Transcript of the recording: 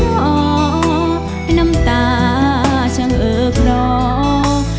หน้าท่าช่างเอิ๊กหลอก